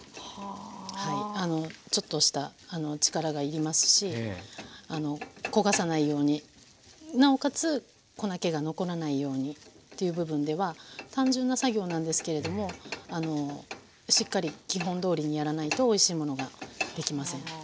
ちょっとした力が要りますし焦がさないようになおかつ粉けが残らないようにという部分では単純な作業なんですけれどもしっかり基本どおりにやらないとおいしいものができません。